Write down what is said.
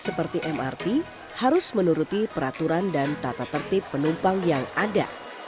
seperti mrt harus menuruti peraturan dan tata tertib penumpang yang ada